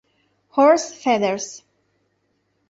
Horse Feathers